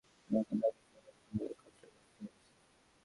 তোমার গাধামির কারনে, মলের কন্ট্রাক্ট বাতিল হয়ে গেছে।